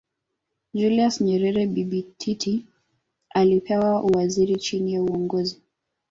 Julius Nyerere Bibi Titi alipewa uwaziri chini ya Uongozi